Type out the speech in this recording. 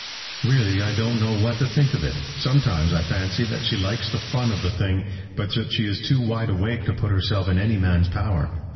"Really I don't know what to think of it. Sometimes I fancy that she likes the fun of the thing, but that she is too wide awake to put herself in any man's power.